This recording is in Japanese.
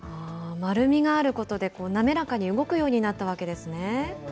丸みがあることで、滑らかに動くようになったわけですね。